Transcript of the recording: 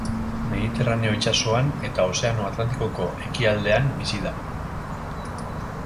Mediterraneo itsasoan eta Ozeano Atlantikoko ekialdean bizi da.